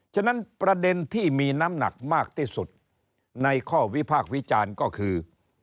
ฉะนั้นประเด็นที่มีน้ำหนักมากที่สุดในข้อวิพากษ์วิจารณ์ก็คือ